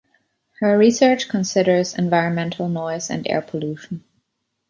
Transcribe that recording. Her research considers environmental noise and air pollution.